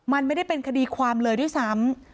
มันไม่ได้เป็นคดีความเลยด้วยซ้ำ